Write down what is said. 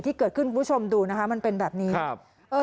ที่เกิดขึ้นคุณผู้ชมดูนะครับมันเป็นแบบนี้